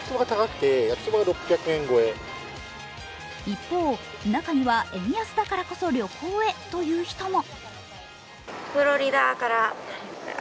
一方、中には円安だからこそ旅行へという人も。